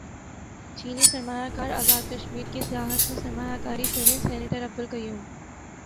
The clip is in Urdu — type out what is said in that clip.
چینی سرمایہ کار ازاد کشمیر کی سیاحت میں سرمایہ کاری کریں سینیٹر عبدالقیوم